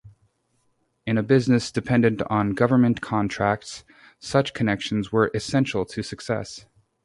In a business dependent on government contracts, such connections were essential to success.